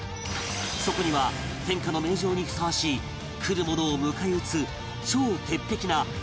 そこには天下の名城にふさわしい来る者を迎え撃つ超鉄壁な数々のトラップが